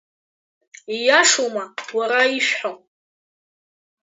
Ииашоума, уара, ишәҳәо?